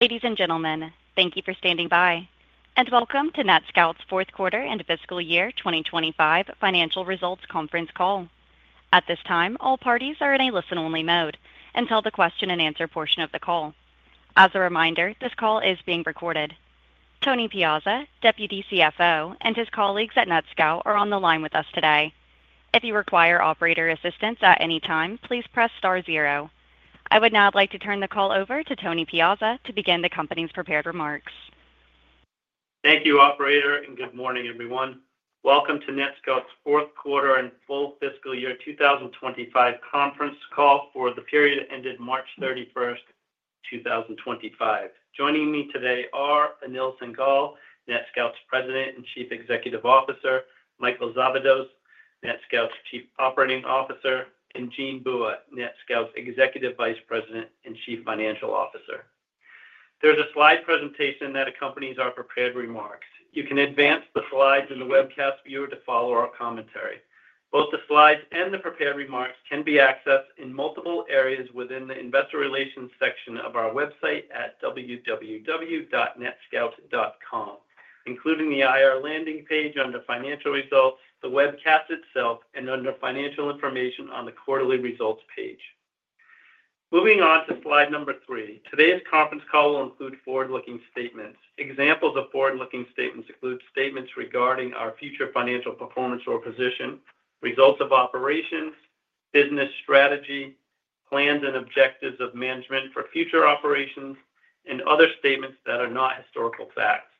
Ladies and gentlemen, thank you for standing by, and welcome to NetScout's Fourth Quarter And Fiscal Year 2025 Financial Results Conference Call. At this time, all parties are in a listen-only mode until the question-and-answer portion of the call. As a reminder, this call is being recorded. Tony Piazza, Deputy CFO, and his colleagues at NetScout are on the line with us today. If you require operator assistance at any time, please press star zero. I would now like to turn the call over to Tony Piazza to begin the company's prepared remarks. Thank you, operator, and good morning, everyone. Welcome to NetScout's Fourth Quarter And Full Fiscal Year 2025 Conference Call for the period ended March 31, 2025. Joining me today are Anil Singhal, NetScout's President and Chief Executive Officer; Michael Szabados, NetScout's Chief Operating Officer; and Jean Bua, NetScout's Executive Vice President and Chief Financial Officer. There is a slide presentation that accompanies our prepared remarks. You can advance the slides in the webcast viewer to follow our commentary. Both the slides and the prepared remarks can be accessed in multiple areas within the investor relations section of our website at www.netscout.com, including the IR landing page under financial results, the webcast itself, and under financial information on the quarterly results page. Moving on to slide number three, today's conference call will include forward-looking statements. Examples of forward-looking statements include statements regarding our future financial performance or position, results of operations, business strategy, plans and objectives of management for future operations, and other statements that are not historical facts.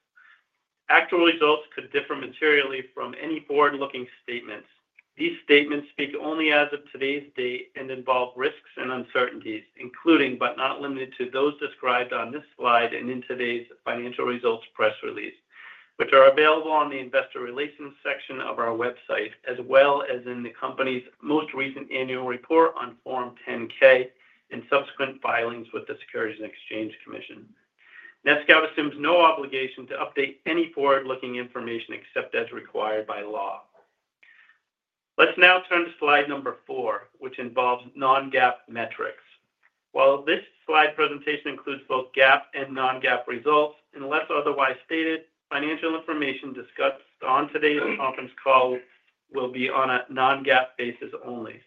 Actual results could differ materially from any forward-looking statements. These statements speak only as of today's date and involve risks and uncertainties, including but not limited to those described on this slide and in today's financial results press release, which are available on the investor relations section of our website, as well as in the company's most recent annual report on Form 10-K and subsequent filings with the Securities and Exchange Commission. NetScout assumes no obligation to update any forward-looking information except as required by law. Let's now turn to slide number four, which involves non-GAAP metrics. While this slide presentation includes both GAAP and non-GAAP results, unless otherwise stated, financial information discussed on today's conference call will be on a non-GAAP basis only.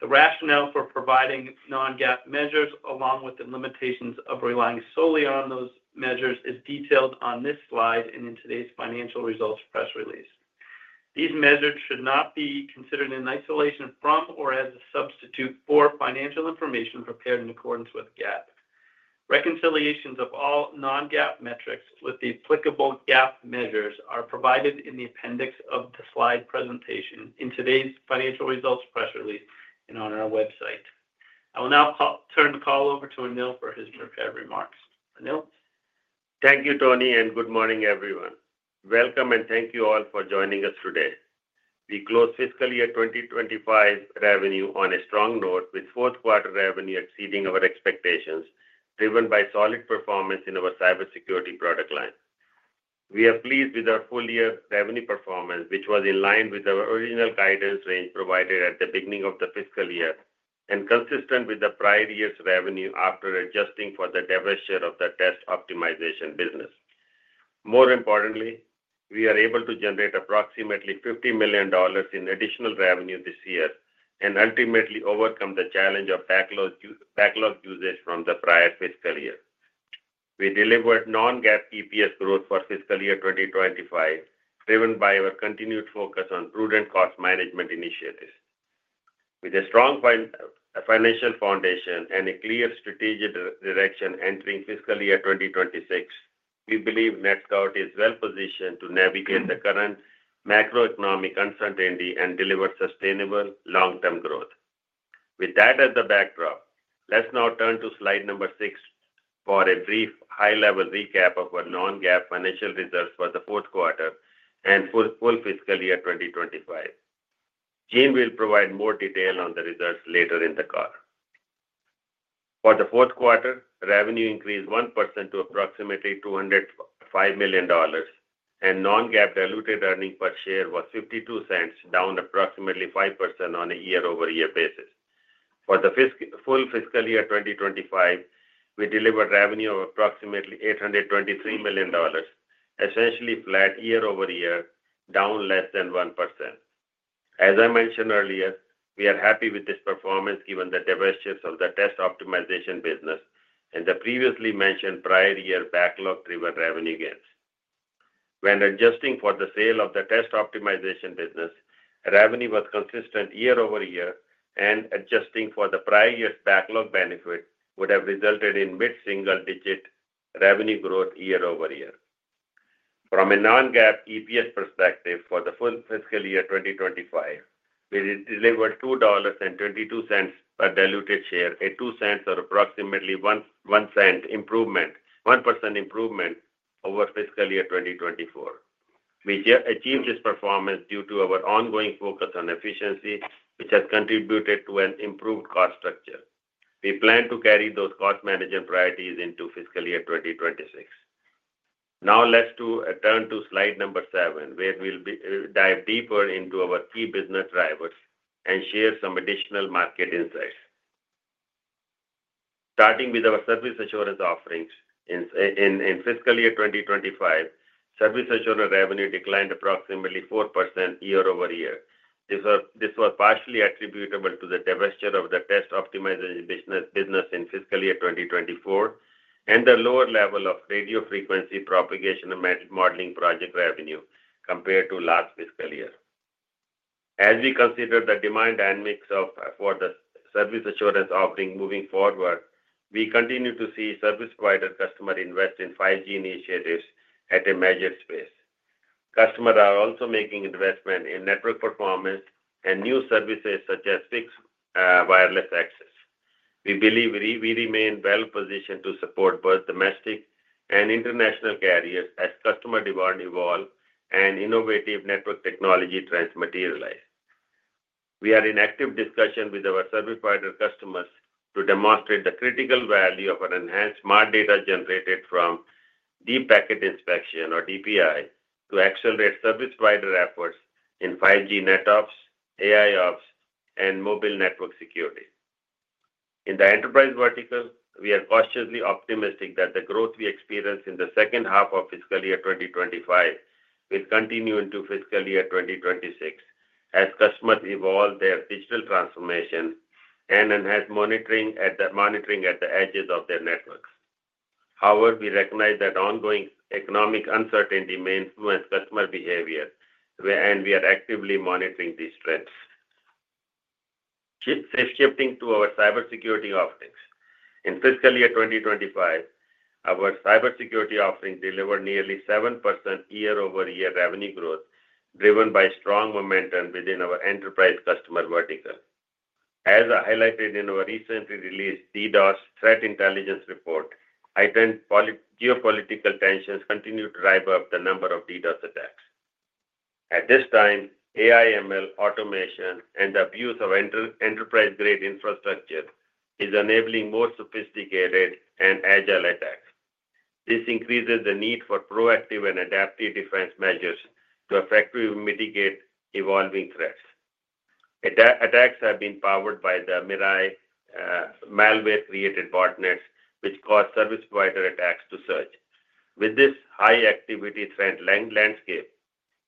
The rationale for providing non-GAAP measures, along with the limitations of relying solely on those measures, is detailed on this slide and in today's financial results press release. These measures should not be considered in isolation from or as a substitute for financial information prepared in accordance with GAAP. Reconciliations of all non-GAAP metrics with the applicable GAAP measures are provided in the appendix of the slide presentation in today's financial results press release and on our website. I will now turn the call over to Anil for his prepared remarks. Anil. Thank you, Tony, and good morning, everyone. Welcome, and thank you all for joining us today. We closed fiscal year 2025 revenue on a strong note, with fourth quarter revenue exceeding our expectations, driven by solid performance in our cybersecurity product line. We are pleased with our full-year revenue performance, which was in line with our original guidance range provided at the beginning of the fiscal year and consistent with the prior year's revenue after adjusting for the deficit of the test optimization business. More importantly, we are able to generate approximately $50 million in additional revenue this year and ultimately overcome the challenge of backlog usage from the prior fiscal year. We delivered non-GAAP EPS growth for fiscal year 2025, driven by our continued focus on prudent cost management initiatives. With a strong financial foundation and a clear strategic direction entering fiscal year 2026, we believe NetScout is well positioned to navigate the current macroeconomic uncertainty and deliver sustainable long-term growth. With that as the backdrop, let's now turn to slide number six for a brief high-level recap of our non-GAAP financial results for the fourth quarter and full fiscal year 2025. Jean will provide more detail on the results later in the call. For the fourth quarter, revenue increased 1% to approximately $205 million, and non-GAAP diluted earnings per share was $0.52, down approximately 5% on a year-over-year basis. For the full fiscal year 2025, we delivered revenue of approximately $823 million, essentially flat year-over-year, down less than 1%. As I mentioned earlier, we are happy with this performance given the deficits of the test optimization business and the previously mentioned prior year backlog-driven revenue gains. When adjusting for the sale of the test optimization business, revenue was consistent year-over-year, and adjusting for the prior year's backlog benefit would have resulted in mid-single-digit revenue growth year-over-year. From a non-GAAP EPS perspective, for the full fiscal year 2025, we delivered $2.22 per diluted share, a $0.02 or approximately 1% improvement over fiscal year 2024. We achieved this performance due to our ongoing focus on efficiency, which has contributed to an improved cost structure. We plan to carry those cost management priorities into fiscal year 2026. Now, let's turn to slide number seven, where we'll dive deeper into our key business drivers and share some additional market insights. Starting with our service assurance offerings, in fiscal year 2025, service assurance revenue declined approximately 4% year-over-year. This was partially attributable to the deficit of the test optimization business in fiscal year 2024 and the lower level of radio frequency propagation and modeling project revenue compared to last fiscal year. As we consider the demand dynamics for the service assurance offering moving forward, we continue to see service provider customers invest in 5G initiatives at a measured pace. Customers are also making investments in network performance and new services such as fixed wireless access. We believe we remain well positioned to support both domestic and international carriers as customer demand evolves and innovative network technology trends materialize. We are in active discussion with our service provider customers to demonstrate the critical value of an enhanced smart data generated from deep packet inspection, or DPI, to accelerate service provider efforts in 5G net ops, AI ops, and mobile network security. In the enterprise vertical, we are cautiously optimistic that the growth we experience in the second half of fiscal year 2025 will continue into fiscal year 2026 as customers evolve their digital transformation and enhance monitoring at the edges of their networks. However, we recognize that ongoing economic uncertainty may influence customer behavior, and we are actively monitoring these trends. Shifting to our cybersecurity offerings, in fiscal year 2025, our cybersecurity offering delivered nearly 7% year-over-year revenue growth, driven by strong momentum within our enterprise customer vertical. As highlighted in our recently released DDoS threat intelligence report, heightened geopolitical tensions continue to drive up the number of DDoS attacks. At this time, AI/ML automation and the abuse of enterprise-grade infrastructure is enabling more sophisticated and agile attacks. This increases the need for proactive and adaptive defense measures to effectively mitigate evolving threats. Attacks have been powered by the malware-created botnets, which cause service provider attacks to surge. With this high-activity trend landscape,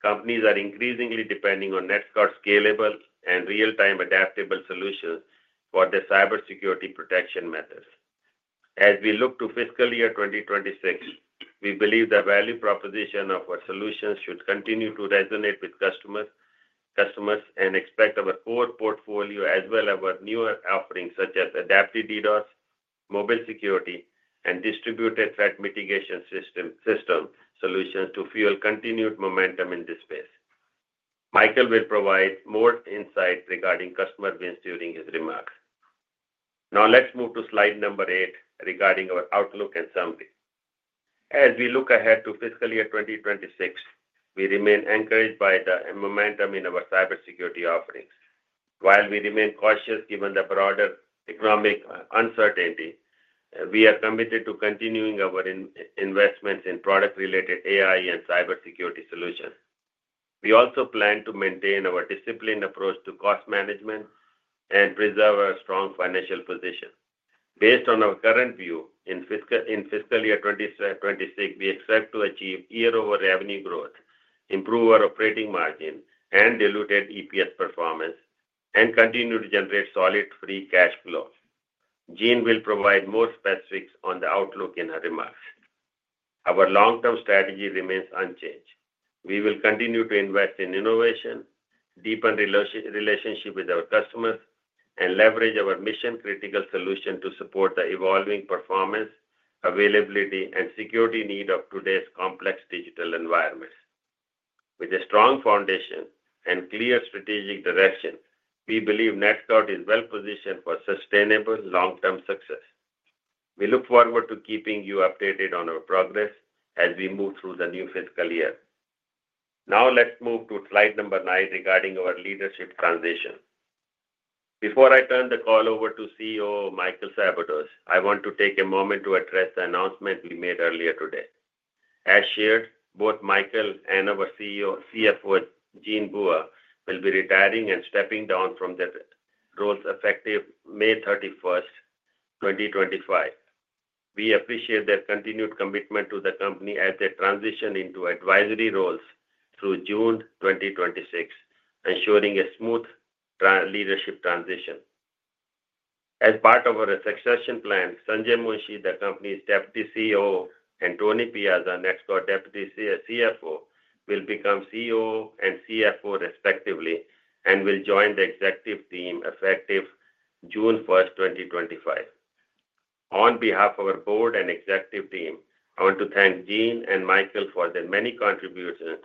companies are increasingly depending on NetScout's scalable and real-time adaptable solutions for their cybersecurity protection methods. As we look to fiscal year 2026, we believe the value proposition of our solutions should continue to resonate with customers and expect our core portfolio, as well as our newer offerings such as adaptive DDoS, mobile security, and distributed threat mitigation system solutions to fuel continued momentum in this space. Michael will provide more insight regarding customer wins during his remarks. Now, let's move to slide number eight regarding our outlook and summary. As we look ahead to fiscal year 2026, we remain encouraged by the momentum in our cybersecurity offerings. While we remain cautious given the broader economic uncertainty, we are committed to continuing our investments in product-related AI and cybersecurity solutions. We also plan to maintain our disciplined approach to cost management and preserve our strong financial position. Based on our current view in fiscal year 2026, we expect to achieve year-over-year revenue growth, improve our operating margin, and diluted EPS performance, and continue to generate solid free cash flow. Jean will provide more specifics on the outlook in her remarks. Our long-term strategy remains unchanged. We will continue to invest in innovation, deepen relationships with our customers, and leverage our mission-critical solution to support the evolving performance, availability, and security needs of today's complex digital environments. With a strong foundation and clear strategic direction, we believe NetScout is well positioned for sustainable long-term success. We look forward to keeping you updated on our progress as we move through the new fiscal year. Now, let's move to slide number nine regarding our leadership transition. Before I turn the call over to COO Michael Szabados, I want to take a moment to address the announcement we made earlier today. As shared, both Michael and our CFO, Jean Bua, will be retiring and stepping down from their roles effective May 31, 2025. We appreciate their continued commitment to the company as they transition into advisory roles through June 2026, ensuring a smooth leadership transition. As part of our succession plan, Sanjay Munshi, the company's Deputy CEO, and Tony Piazza, NetScout Deputy CFO, will become CEO and CFO respectively and will join the executive team effective June 1, 2025. On behalf of our board and executive team, I want to thank Jean and Michael for their many contributions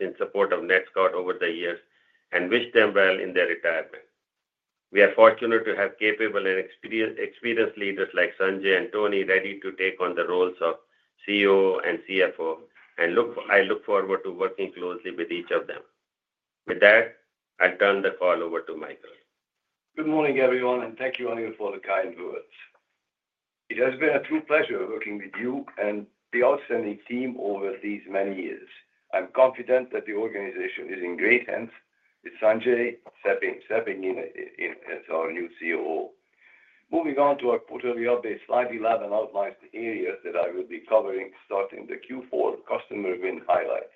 in support of NetScout over the years and wish them well in their retirement. We are fortunate to have capable and experienced leaders like Sanjay and Tony ready to take on the roles of CEO and CFO, and I look forward to working closely with each of them. With that, I'll turn the call over to Michael. Good morning, everyone, and thank you all for the kind words. It has been a true pleasure working with you and the outstanding team over these many years. I'm confident that the organization is in great hands with Sanjay stepping in as our new COO. Moving on to our quarterly update, slide 11 outlines the areas that I will be covering, starting the Q4 customer win highlights.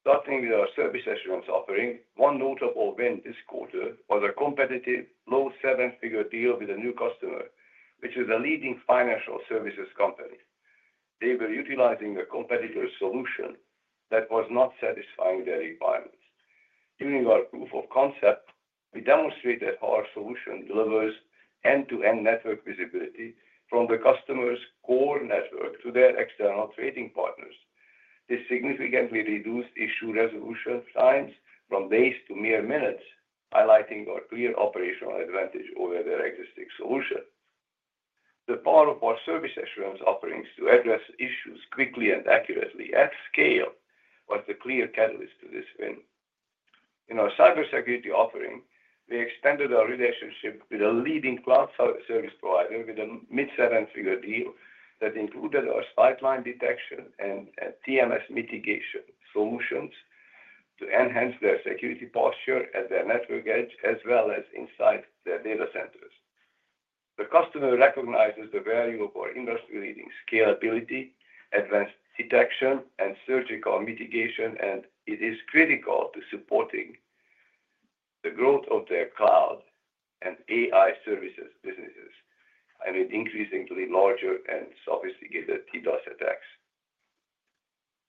Starting with our service assurance offering, one notable win this quarter was a competitive low-seven-figure deal with a new customer, which is a leading financial services company. They were utilizing a competitor's solution that was not satisfying their requirements. During our proof of concept, we demonstrated how our solution delivers end-to-end network visibility from the customer's core network to their external trading partners. This significantly reduced issue resolution times from days to mere minutes, highlighting our clear operational advantage over their existing solution. The power of our service assurance offerings to address issues quickly and accurately at scale was a clear catalyst to this win. In our cybersecurity offering, we extended our relationship with a leading cloud service provider with a mid-seven-figure deal that included our spike line detection and TMS mitigation solutions to enhance their security posture at their network edge, as well as inside their data centers. The customer recognizes the value of our industry-leading scalability, advanced detection, and surgical mitigation, and it is critical to supporting the growth of their cloud and AI services businesses amid increasingly larger and sophisticated DDoS attacks.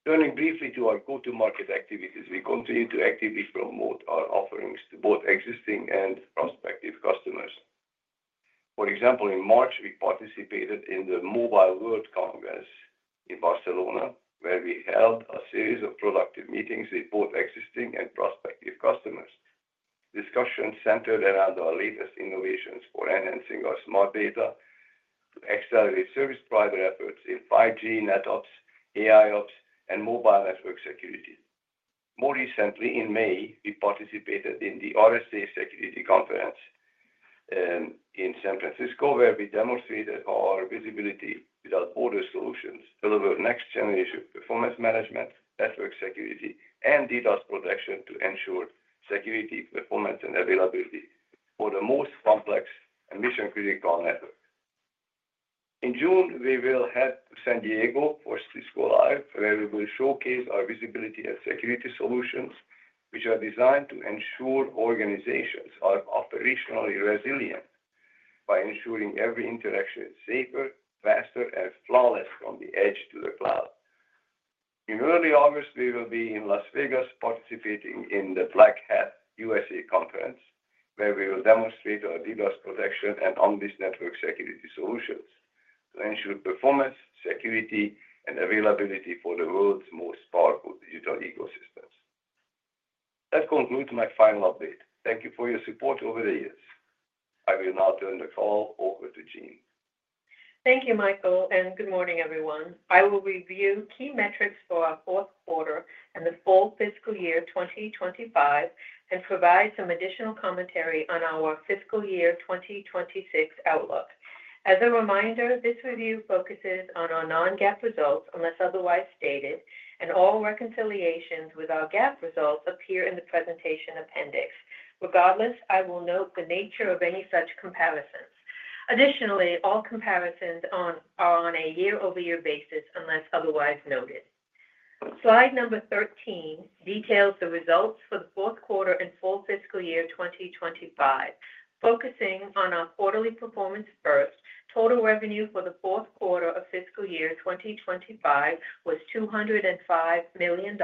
Turning briefly to our go-to-market activities, we continue to actively promote our offerings to both existing and prospective customers. For example, in March, we participated in the Mobile World Congress in Barcelona, where we held a series of productive meetings with both existing and prospective customers. Discussions centered around our latest innovations for enhancing our smart data to accelerate service provider efforts in 5G net ops, AI ops, and mobile network security. More recently, in May, we participated in the RSA Security Conference in San Francisco, where we demonstrated how our visibility without border solutions delivers next-generation performance management, network security, and DDoS protection to ensure security, performance, and availability for the most complex and mission-critical network. In June, we will head to San Diego for Cisco Live, where we will showcase our visibility and security solutions, which are designed to ensure organizations are operationally resilient by ensuring every interaction is safer, faster, and flawless from the edge to the cloud. In early August, we will be in Las Vegas participating in the Black Hat U.S.A. Conference, where we will demonstrate our DDoS protection and on-disk network security solutions to ensure performance, security, and availability for the world's most powerful digital ecosystems. That concludes my final update. Thank you for your support over the years. I will now turn the call over to Jean. Thank you, Michael, and good morning, everyone. I will review key metrics for our fourth quarter and the full fiscal year 2025 and provide some additional commentary on our fiscal year 2026 outlook. As a reminder, this review focuses on our non-GAAP results, unless otherwise stated, and all reconciliations with our GAAP results appear in the presentation appendix. Regardless, I will note the nature of any such comparisons. Additionally, all comparisons are on a year-over-year basis, unless otherwise noted. Slide number 13 details the results for the fourth quarter and full fiscal year 2025. Focusing on our quarterly performance first, total revenue for the fourth quarter of fiscal year 2025 was $205 million,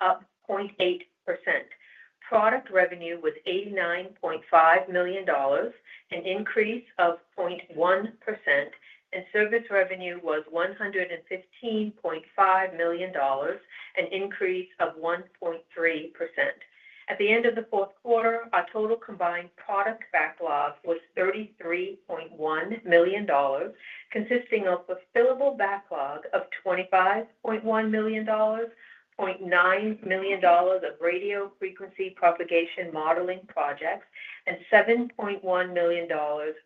up 0.8%. Product revenue was $89.5 million, an increase of 0.1%, and service revenue was $115.5 million, an increase of 1.3%. At the end of the fourth quarter, our total combined product backlog was $33.1 million, consisting of a fillable backlog of $25.1 million, $0.9 million of radio frequency propagation modeling projects, and $7.1 million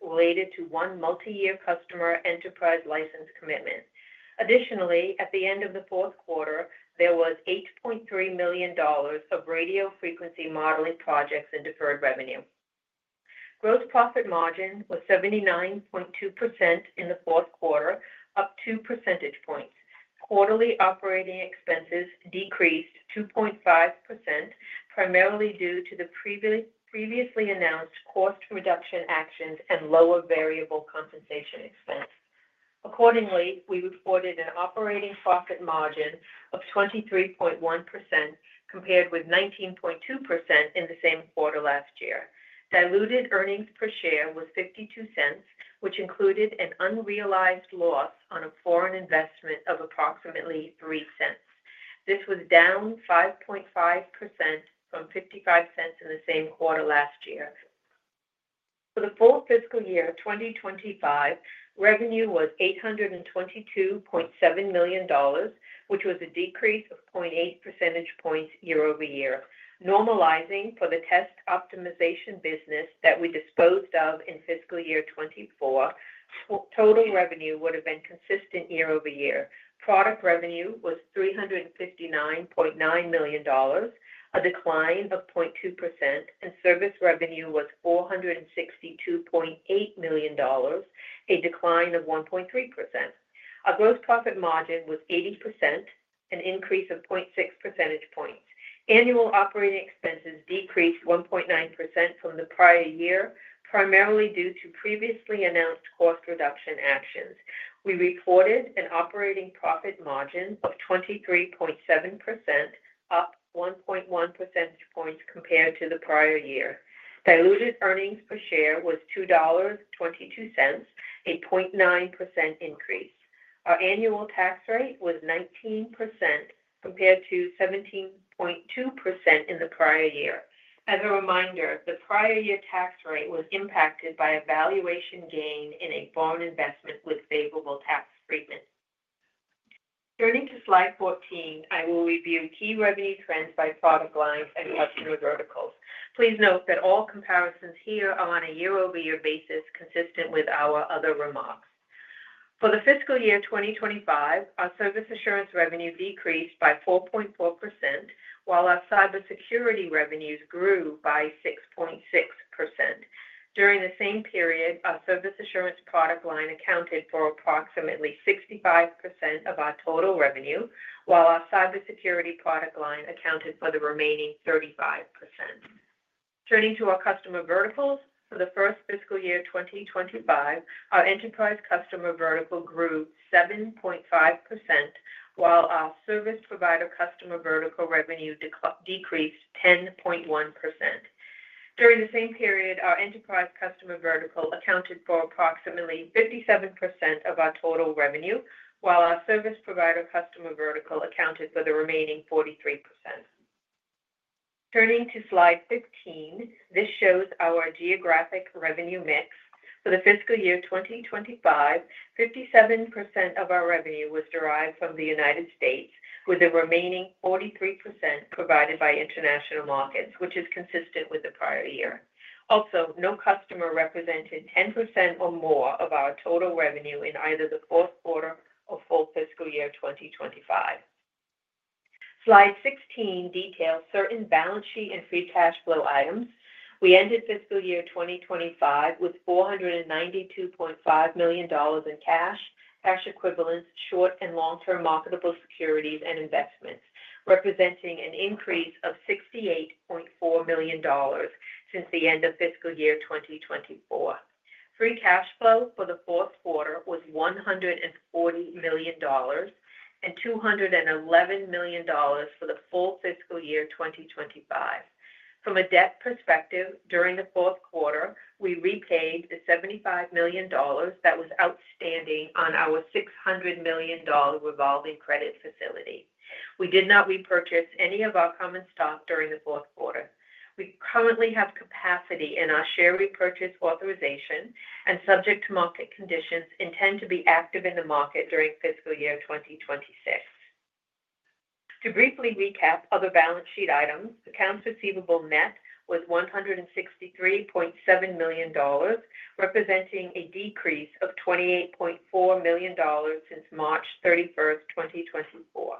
related to one multi-year customer enterprise license commitment. Additionally, at the end of the fourth quarter, there was $8.3 million of radio frequency modeling projects and deferred revenue. Gross profit margin was 79.2% in the fourth quarter, up 2 percentage points. Quarterly operating expenses decreased 2.5%, primarily due to the previously announced cost reduction actions and lower variable compensation expense. Accordingly, we reported an operating profit margin of 23.1% compared with 19.2% in the same quarter last year. Diluted earnings per share was $0.52, which included an unrealized loss on a foreign investment of approximately $0.03. This was down 5.5% from $0.55 in the same quarter last year. For the full fiscal year 2025, revenue was $822.7 million, which was a decrease of 0.8 percentage points year-over-year. Normalizing for the test optimization business that we disposed of in fiscal year 2024, total revenue would have been consistent year-over-year. Product revenue was $359.9 million, a decline of 0.2%, and service revenue was $462.8 million, a decline of 1.3%. Our gross profit margin was 80%, an increase of 0.6 percentage points. Annual operating expenses decreased 1.9% from the prior year, primarily due to previously announced cost reduction actions. We reported an operating profit margin of 23.7%, up 1.1 percentage points compared to the prior year. Diluted earnings per share was $2.22, a 0.9% increase. Our annual tax rate was 19% compared to 17.2% in the prior year. As a reminder, the prior year tax rate was impacted by a valuation gain in a foreign investment with favorable tax treatment. Turning to slide 14, I will review key revenue trends by product lines and customer verticals. Please note that all comparisons here are on a year-over-year basis, consistent with our other remarks. For the fiscal year 2025, our service assurance revenue decreased by 4.4%, while our cybersecurity revenues grew by 6.6%. During the same period, our service assurance product line accounted for approximately 65% of our total revenue, while our cybersecurity product line accounted for the remaining 35%. Turning to our customer verticals, for the first fiscal year 2025, our enterprise customer vertical grew 7.5%, while our service provider customer vertical revenue decreased 10.1%. During the same period, our enterprise customer vertical accounted for approximately 57% of our total revenue, while our service provider customer vertical accounted for the remaining 43%. Turning to slide 15, this shows our geographic revenue mix. For the fiscal year 2025, 57% of our revenue was derived from the United States, with the remaining 43% provided by international markets, which is consistent with the prior year. Also, no customer represented 10% or more of our total revenue in either the fourth quarter or full fiscal year 2025. Slide 16 details certain balance sheet and free cash flow items. We ended fiscal year 2025 with $492.5 million in cash, cash equivalents, short and long-term marketable securities, and investments, representing an increase of $68.4 million since the end of fiscal year 2024. Free cash flow for the fourth quarter was $140 million and $211 million for the full fiscal year 2025. From a debt perspective, during the fourth quarter, we repaid the $75 million that was outstanding on our $600 million revolving credit facility. We did not repurchase any of our common stock during the fourth quarter. We currently have capacity in our share repurchase authorization and subject to market conditions intend to be active in the market during fiscal year 2026. To briefly recap other balance sheet items, accounts receivable net was $163.7 million, representing a decrease of $28.4 million since March 31, 2024.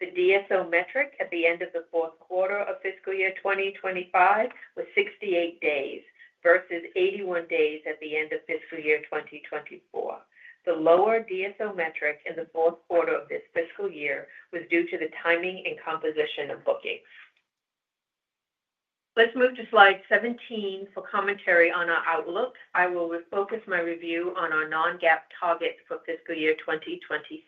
The DSO metric at the end of the fourth quarter of fiscal year 2025 was 68 days versus 81 days at the end of fiscal year 2024. The lower DSO metric in the fourth quarter of this fiscal year was due to the timing and composition of bookings. Let's move to slide 17 for commentary on our outlook. I will focus my review on our non-GAAP targets for fiscal year 2026.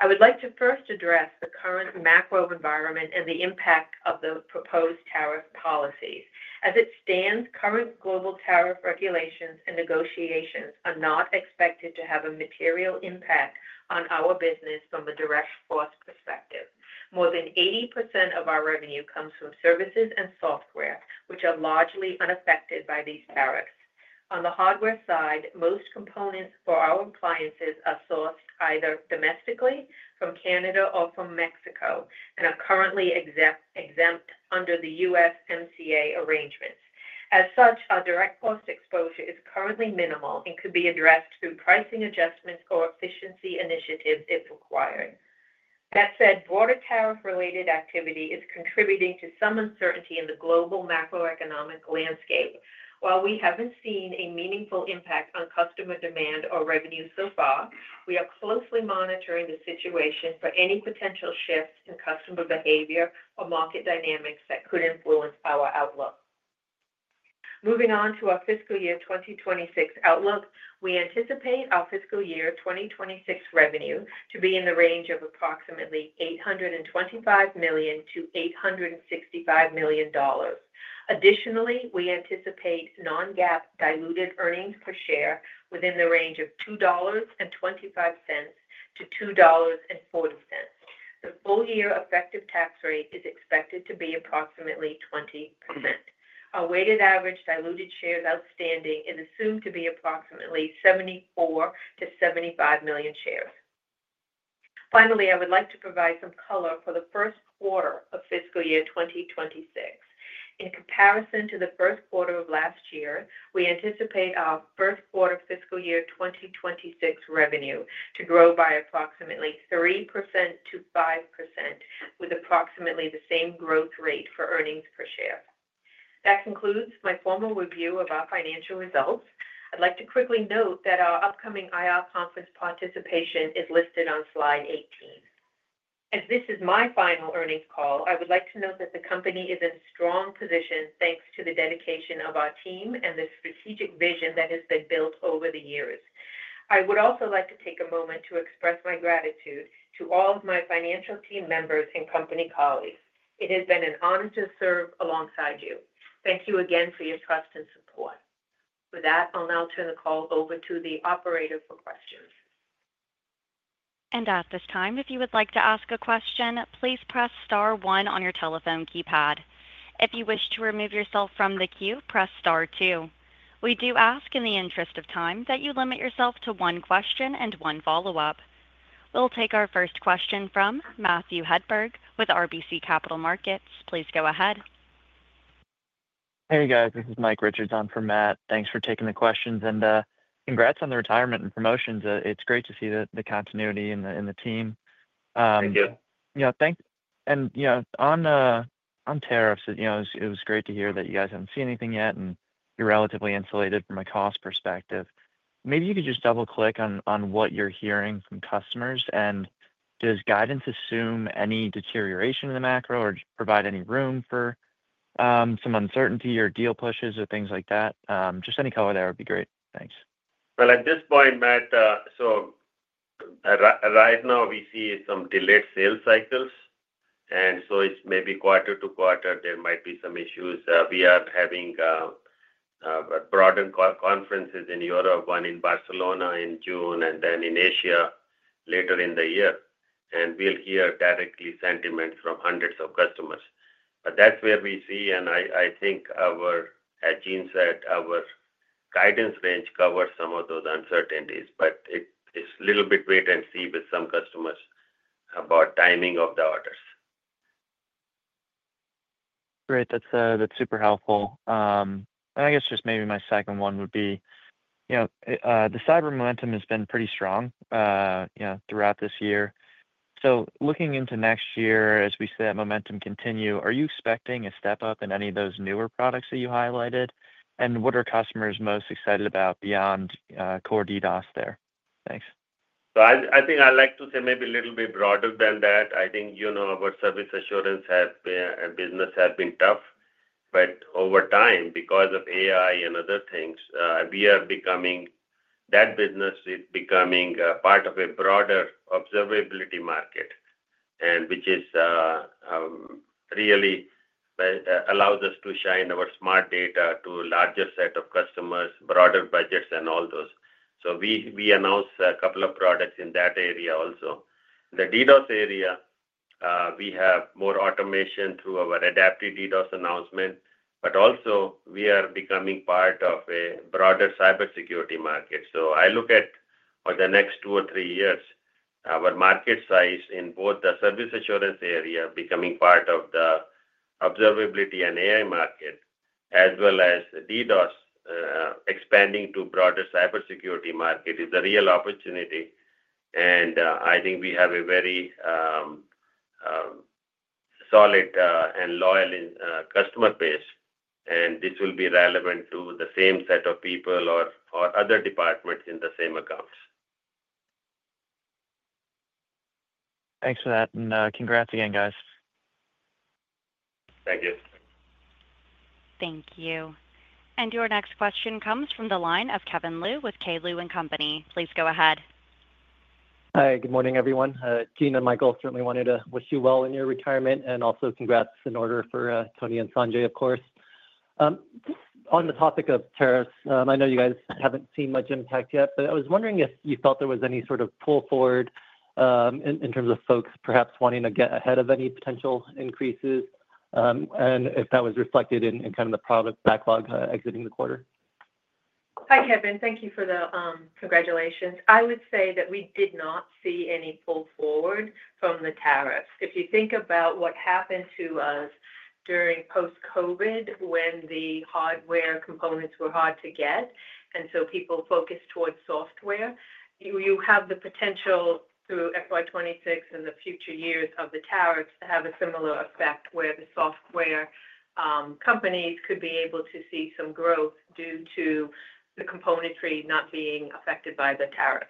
I would like to first address the current macro environment and the impact of the proposed tariff policies. As it stands, current global tariff regulations and negotiations are not expected to have a material impact on our business from a direct source perspective. More than 80% of our revenue comes from services and software, which are largely unaffected by these tariffs. On the hardware side, most components for our appliances are sourced either domestically from Canada or from Mexico and are currently exempt under the USMCA arrangements. As such, our direct cost exposure is currently minimal and could be addressed through pricing adjustments or efficiency initiatives if required. That said, broader tariff-related activity is contributing to some uncertainty in the global macroeconomic landscape. While we haven't seen a meaningful impact on customer demand or revenue so far, we are closely monitoring the situation for any potential shifts in customer behavior or market dynamics that could influence our outlook. Moving on to our fiscal year 2026 outlook, we anticipate our fiscal year 2026 revenue to be in the range of approximately $825 million-$865 million. Additionally, we anticipate non-GAAP diluted earnings per share within the range of $2.25-$2.40. The full year effective tax rate is expected to be approximately 20%. Our weighted average diluted shares outstanding is assumed to be approximately 74-75 million shares. Finally, I would like to provide some color for the first quarter of fiscal year 2026. In comparison to the first quarter of last year, we anticipate our first quarter fiscal year 2026 revenue to grow by approximately 3%-5%, with approximately the same growth rate for earnings per share. That concludes my formal review of our financial results. I'd like to quickly note that our upcoming IR conference participation is listed on slide 18. As this is my final earnings call, I would like to note that the company is in a strong position thanks to the dedication of our team and the strategic vision that has been built over the years. I would also like to take a moment to express my gratitude to all of my financial team members and company colleagues. It has been an honor to serve alongside you. Thank you again for your trust and support. With that, I'll now turn the call over to the operator for questions. At this time, if you would like to ask a question, please press star one on your telephone keypad. If you wish to remove yourself from the queue, press star two. We do ask, in the interest of time, that you limit yourself to one question and one follow-up. We'll take our first question from Matthew Hedberg with RBC Capital Markets. Please go ahead. Hey, guys. This is Mike Richardson from Matt. Thanks for taking the questions. And congrats on the retirement and promotions. It's great to see the continuity in the team. Thank you. Yeah. Thanks. On tariffs, it was great to hear that you guys haven't seen anything yet and you're relatively insulated from a cost perspective. Maybe you could just double-click on what you're hearing from customers. Does guidance assume any deterioration in the macro or provide any room for some uncertainty or deal pushes or things like that? Just any color there would be great. Thanks. At this point, Matt, right now we see some delayed sales cycles. It is maybe quarter to quarter, there might be some issues. We are having broader conferences in Europe, one in Barcelona in June, and then in Asia later in the year. We will hear directly sentiments from hundreds of customers. That is where we see, and I think, as Jean said, our guidance range covers some of those uncertainties. It is a little bit wait and see with some customers about timing of the orders. Great. That's super helpful. I guess just maybe my second one would be the cyber momentum has been pretty strong throughout this year. Looking into next year, as we see that momentum continue, are you expecting a step up in any of those newer products that you highlighted? What are customers most excited about beyond core DDoS there? Thanks. I think I'd like to say maybe a little bit broader than that. I think our service assurance business has been tough. But over time, because of AI and other things, that business is becoming part of a broader observability market, which really allows us to shine our smart data to a larger set of customers, broader budgets, and all those. We announced a couple of products in that area also. In the DDoS area, we have more automation through our adaptive DDoS announcement. Also, we are becoming part of a broader cybersecurity market. I look at for the next two or three years, our market size in both the service assurance area becoming part of the observability and AI market, as well as DDoS expanding to broader cybersecurity market, as a real opportunity. I think we have a very solid and loyal customer base. This will be relevant to the same set of people or other departments in the same accounts. Thanks for that. And congrats again, guys. Thank you. Thank you. Your next question comes from the line of Kevin Liu with K. Liu & Company. Please go ahead. Hi. Good morning, everyone. Jean and Michael certainly wanted to wish you well in your retirement and also congrats in order for Tony and Sanjay, of course. On the topic of tariffs, I know you guys haven't seen much impact yet, but I was wondering if you felt there was any sort of pull forward in terms of folks perhaps wanting to get ahead of any potential increases and if that was reflected in kind of the product backlog exiting the quarter. Hi, Kevin. Thank you for the congratulations. I would say that we did not see any pull forward from the tariffs. If you think about what happened to us during post-COVID when the hardware components were hard to get, and so people focused towards software, you have the potential through FY2026 and the future years of the tariffs to have a similar effect where the software companies could be able to see some growth due to the componentry not being affected by the tariffs.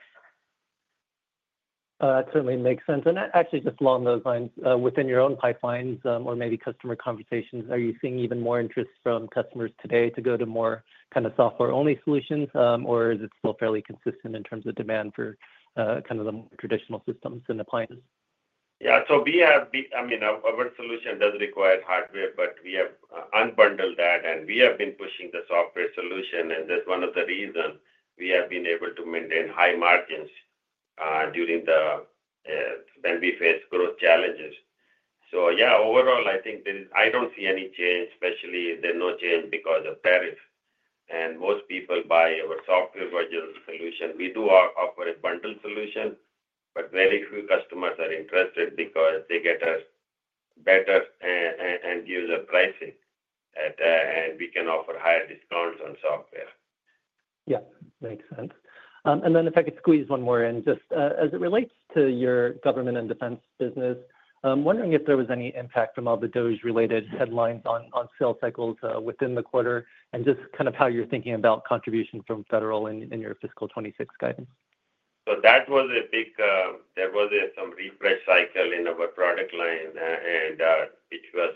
That certainly makes sense. Actually, just along those lines, within your own pipelines or maybe customer conversations, are you seeing even more interest from customers today to go to more kind of software-only solutions, or is it still fairly consistent in terms of demand for kind of the traditional systems and appliances? Yeah. So we have, I mean, our solution does require hardware, but we have unbundled that, and we have been pushing the software solution. That is one of the reasons we have been able to maintain high margins during the when we face growth challenges. Yeah, overall, I think I do not see any change, especially there is no change because of tariffs. Most people buy our software version solution. We do offer a bundled solution, but very few customers are interested because they get us better end-user pricing, and we can offer higher discounts on software. Yeah. Makes sense. And then if I could squeeze one more in, just as it relates to your government and defense business, I'm wondering if there was any impact from all the DDoS-related headlines on sales cycles within the quarter and just kind of how you're thinking about contribution from federal in your fiscal 2026 guidance. That was a big, there was some refresh cycle in our product line, and it was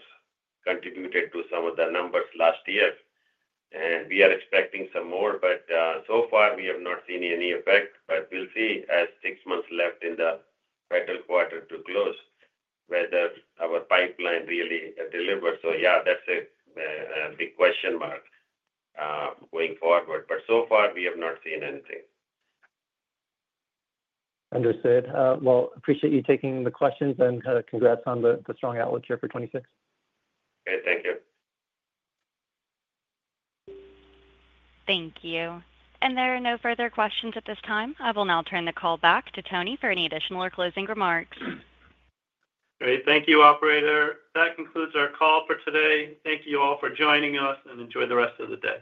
contributed to some of the numbers last year. We are expecting some more, but so far, we have not seen any effect. We will see as six months left in the federal quarter to close whether our pipeline really delivers. Yeah, that is a big question mark going forward. So far, we have not seen anything. Understood. I appreciate you taking the questions and congrats on the strong outlook here for 2026. Okay. Thank you. Thank you. There are no further questions at this time. I will now turn the call back to Tony for any additional or closing remarks. Great. Thank you, operator. That concludes our call for today. Thank you all for joining us, and enjoy the rest of the day.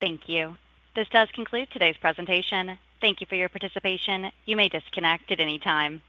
Thank you. This does conclude today's presentation. Thank you for your participation. You may disconnect at any time.